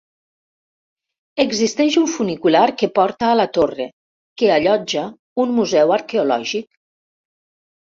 Existeix un funicular que porta a la torre, que allotja un museu arqueològic.